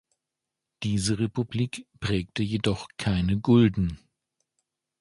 Diese Republik prägte jedoch keine Gulden.